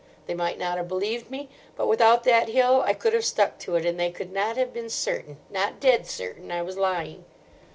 They might not have believed me, but without that hill I could have stuck to it, and they could not have been certain—not dead certain—I was lying.